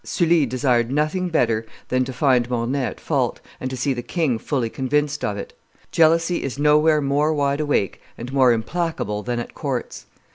] Sully desired nothing better than to find Mornay at fault, and to see the king fully convinced of it. Jealousy is nowhere more wide awake and more implacable than at courts.